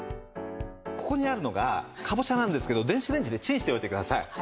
ここにあるのがかぼちゃなんですけど電子レンジでチンしておいてください。